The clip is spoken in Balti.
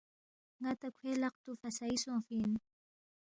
ن٘ا تا کھوے لقتوُ پھسائی سونگفی اِن